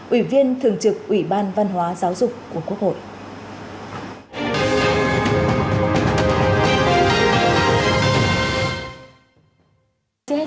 ủy viên thường trực ủy ban văn hóa giáo dục của quốc hội